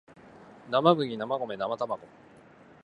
なまむぎなまごめなまたまご